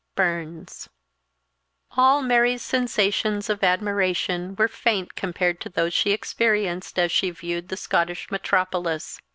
BURNS. ALL Mary's sensations of admiration were faint compared to those she experienced as she viewed the Scottish metropolis.